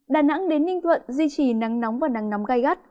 đà nẵng đến ninh thuận duy trì nắng nóng và nắng nóng gai gắt